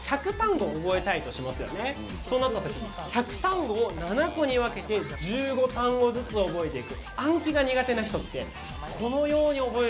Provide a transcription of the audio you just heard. そうなったときに１００単語を７個に分けて１５単語ずつ覚えていく。